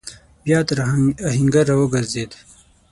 بيا تر آهنګر راوګرځېد.